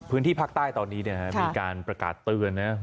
พื้นที่ภาคใต้ตอนนี้มีการประกาศเตือนนะ